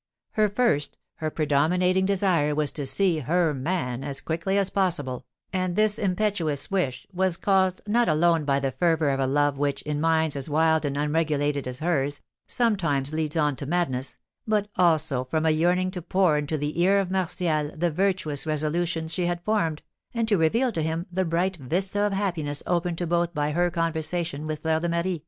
Her first, her predominating desire was to see "her man" as quickly as possible, and this impetuous wish was caused, not alone by the fervour of a love which, in minds as wild and unregulated as hers, sometimes leads on to madness, but also from a yearning to pour into the ear of Martial the virtuous resolutions she had formed, and to reveal to him the bright vista of happiness opened to both by her conversation with Fleur de Marie.